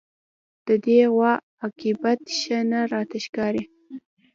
د دې غوا عاقبت ښه نه راته ښکاري